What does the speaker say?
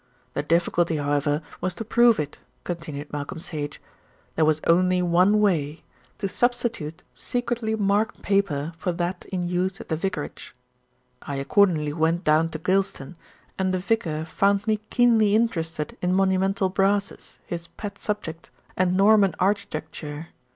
"The difficulty, however, was to prove it," continued Malcolm Sage. "There was only one way; to substitute secretly marked paper for that in use at the vicarage. "I accordingly went down to Gylston, and the vicar found me keenly interested in monumental brasses, his pet subject, and Norman architecture.